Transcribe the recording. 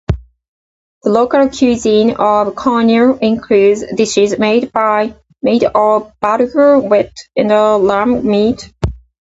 The local cuisine of Konya includes dishes made of bulgur wheat and lamb meat.